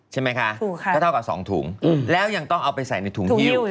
ใช่ไหมคะก็เท่ากับ๒ถุงแล้วยังต้องเอาไปใส่ในถุงหิ้ว